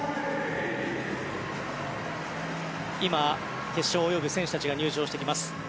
今、決勝を泳ぐ選手たちが入場してきます。